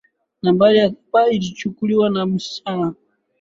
Nambari ya saba ilichukuliwa na msichana.